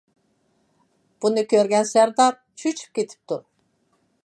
بۇنى كۆرگەن سەردار چۆچۈپ كېتىپتۇ.